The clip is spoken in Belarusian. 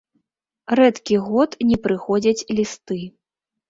Рэдкі год не прыходзяць лісты.